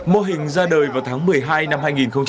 mô hình ra đời vào tháng một mươi hai năm hai nghìn hai mươi